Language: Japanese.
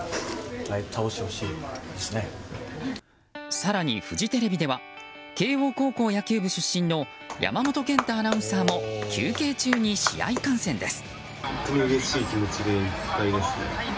更にフジテレビでは慶応高校野球部出身の山本賢太アナウンサーも休憩中に試合観戦です。